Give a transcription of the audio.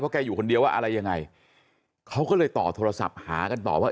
แกอยู่คนเดียวว่าอะไรยังไงเขาก็เลยต่อโทรศัพท์หากันต่อว่า